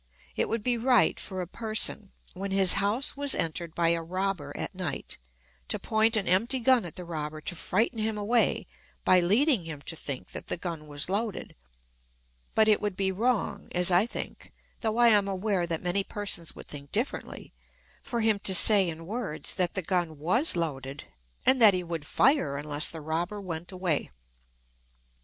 It would be right for a person, when his house was entered by a robber at night, to point an empty gun at the robber to frighten him away by leading him to think that the gun was loaded; but it would be wrong, as I think though I am aware that many persons would think differently for him to say in words that the gun was loaded, and that he would fire unless the robber went away.